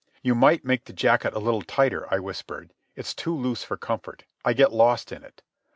"You might make the jacket a little tighter," I whispered. "It's too loose for comfort. I get lost in it.